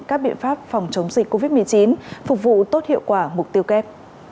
các biện pháp phòng chống dịch covid một mươi chín phục vụ tốt hiệu quả mục tiêu kép